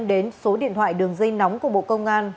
đến số điện thoại đường dây nóng của bộ công an